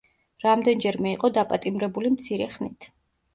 რამდენჯერმე იყო დაპატიმრებული მცირე ხნით.